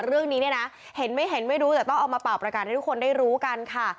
เรื่องนี้เนี่ยนะเห็นไม่เห็นไม่รู้แต่ต้องเอามาเป่าประกาศให้ทุกคนได้รู้กันค่ะ